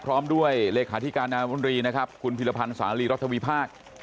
พร้อมด้วยเลขาธิการนามนตรีนะครับคุณพิรพันธ์สาลีรัฐวิพากษ์